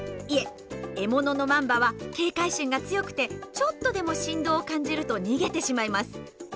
いえ獲物のマンバは警戒心が強くてちょっとでも振動を感じると逃げてしまいます。